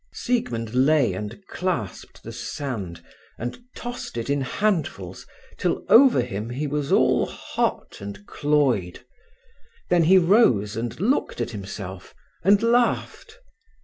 Siegmund lay and clasped the sand, and tossed it in handfuls till over him he was all hot and cloyed. Then he rose and looked at himself and laughed.